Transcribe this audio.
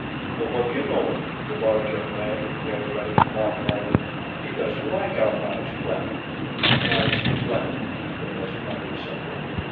"Well, what do you know!" the large young man with the hairy legs mock marveled. "He doesn't like our nice planet!" "Nice planet!" Gomes muttered something.